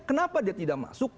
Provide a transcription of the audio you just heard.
kenapa dia tidak masuk